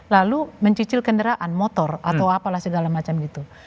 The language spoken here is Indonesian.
lalu mencicil kendaraan motor atau apalah segala macam gitu